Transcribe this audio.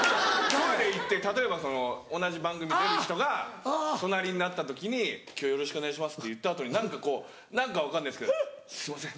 トイレ行って例えば同じ番組出る人が隣になった時に「今日よろしくお願いします」って言った後に何かこう何か分かんないですけど「すいません」